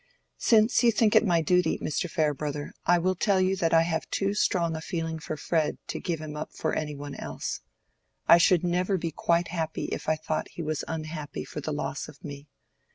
"Since you think it my duty, Mr. Farebrother, I will tell you that I have too strong a feeling for Fred to give him up for any one else. I should never be quite happy if I thought he was unhappy for the loss of me.